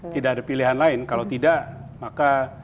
tidak ada pilihan lain kalau tidak maka